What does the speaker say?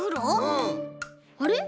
あれ？